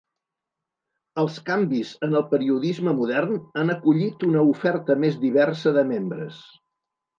Els canvis en el periodisme modern han acollit una oferta més diversa de membres.